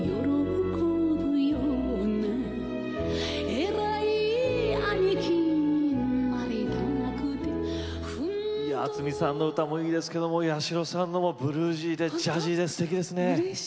八代亜紀渥美さんの歌もいいですが八代さんのもブルージーでジャジーですてきですね。